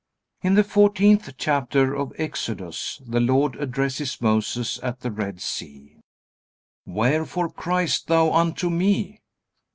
In the fourteenth chapter of Exodus the Lord addresses Moses at the Red Sea: "Wherefore criest thou unto me?"